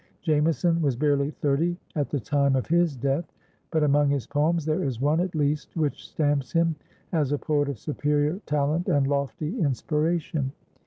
Jamison was barely thirty at the time of his death, but among his poems there is one, at least, which stamps him as a poet of superior talent and lofty inspiration.